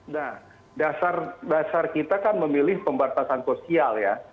nah dasar kita kan memilih pembatasan sosial ya